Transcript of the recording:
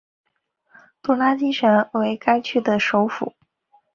杜拉基什为该区的首府。